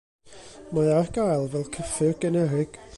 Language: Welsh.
Mae ar gael fel cyffur generig.